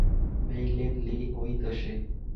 Meilin Lee, ওই তো সে।